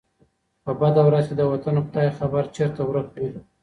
په بده ورځ کي د وطن ، خداى خبر ، چرته ورک وې